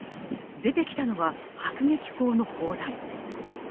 出てきたのは迫撃砲の砲弾。